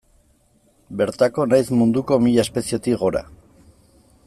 Bertako nahiz munduko mila espezietik gora.